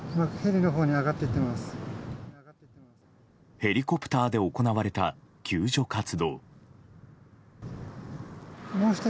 ヘリコプターで行われた救助活動。